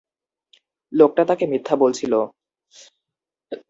লোকটা তাকে মিথ্যা বলছিল।